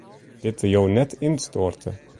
Dat litte jo net ynstoarte.